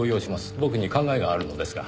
僕に考えがあるのですが。